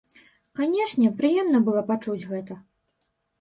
Канешне, прыемна было пачуць гэта.